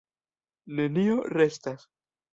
Nenio restas.